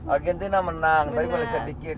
argentina menang tapi boleh sedikit